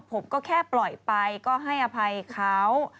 ผมก็แค่ปล่อยไปก็ให้อภัยเขา